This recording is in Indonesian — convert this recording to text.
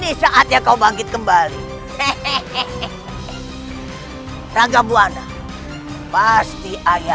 kita pergi mencarinya secepatnya